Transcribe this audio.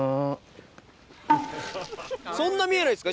そんな見えないっすか？